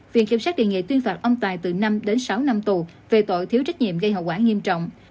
viện kiểm sát đề nghị tuyên phạt ông tài từ năm đến sáu năm tù về tội thiếu trách nhiệm gây hậu quả nghiêm trọng